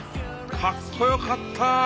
かっこよかった。